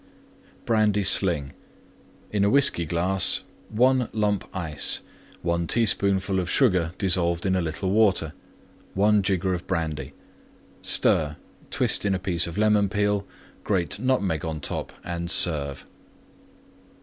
BRANDY SLING In a Whiskey glass: 1 lump Ice. 1 teaspoonful Sugar dissolved in little Water. 1 jigger Brandy. Stir; twist in a piece of Lemon Peel; grate Nutmeg on top and serve.